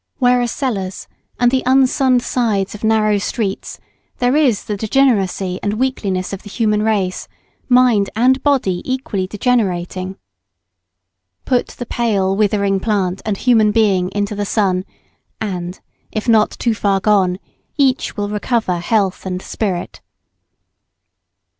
Where are cellars and the unsunned sides of narrow streets, there is the degeneracy and weakliness of the human race mind and body equally degenerating. Put the pale withering plant and human being into the sun, and, if not too far gone, each will recover health and spirit. [Sidenote: Almost all patients lie with their faces to the light.